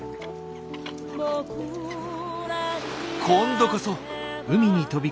今度こそ。